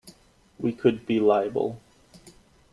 We could be liable.